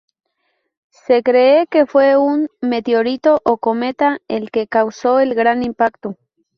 Se cree que fue un meteorito o cometa el que causó el gran impacto.